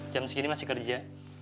jam segini masih kerja